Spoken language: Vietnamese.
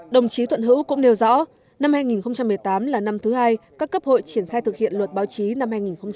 đồng chí thuận hữu cũng nêu rõ năm hai nghìn một mươi tám là năm thứ hai các cấp hội triển khai thực hiện luật báo chí năm hai nghìn một mươi bảy